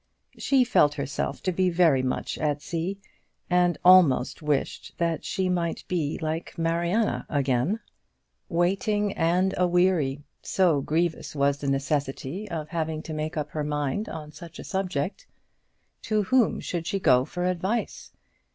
She felt herself to be very much at sea, and almost wished that she might be like Mariana again, waiting and aweary, so grievous was the necessity of having to make up her mind on such a subject. To whom should she go for advice?